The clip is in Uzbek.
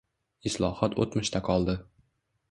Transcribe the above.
Islohot o'tmishda qoldi